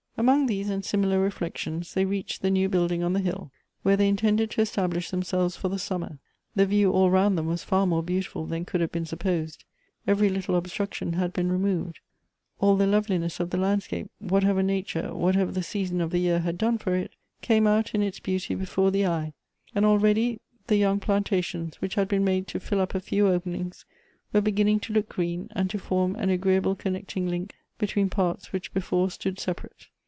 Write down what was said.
Among these and similar reflections they reached the new building on the hill, where they intended to estab lish themselves for the summer. The view all round ihem was fir more beautiful than could have been sup posed : every little obstruction had been removed ; all the loveliness of the landscape, whatever nature, what ever the season of the year had done for it, came out in its beauty before the eye ; and already the young planta tions, which had been made to fill up a few openings, were beginning to look green, and to form an agreeable connecting link between parts which before stood sepa rate.